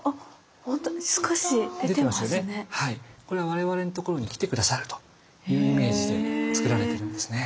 我々の所に来て下さるというイメージで造られているんですね。